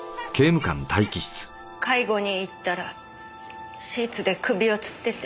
介護に行ったらシーツで首をつってて。